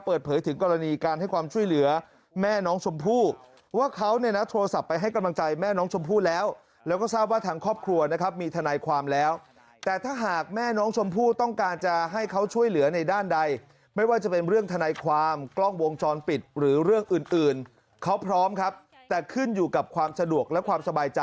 เปิดเผยถึงกรณีการให้ความช่วยเหลือแม่น้องชมพู่ว่าเขาเนี่ยนะโทรศัพท์ไปให้กำลังใจแม่น้องชมพู่แล้วแล้วก็ทราบว่าทางครอบครัวนะครับมีทนายความแล้วแต่ถ้าหากแม่น้องชมพู่ต้องการจะให้เขาช่วยเหลือในด้านใดไม่ว่าจะเป็นเรื่องทนายความกล้องวงจรปิดหรือเรื่องอื่นอื่นเขาพร้อมครับแต่ขึ้นอยู่กับความสะดวกและความสบายใจ